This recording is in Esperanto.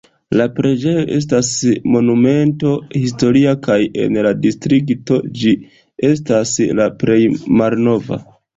La preĝejo estas Monumento historia kaj en la distrikto ĝi estas la plej malnova.